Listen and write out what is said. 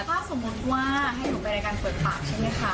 ถ้าสมมุติว่าให้หนูไปรายการเปิดปากใช่ไหมคะ